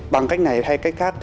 bằng cách này hay cách khác